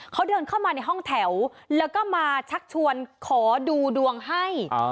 เขาเดินเข้ามาในห้องแถวแล้วก็มาชักชวนขอดูดวงให้